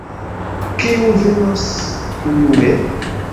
Kiu venos unue?